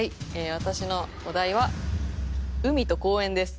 私のお題は「海」と「公園」です。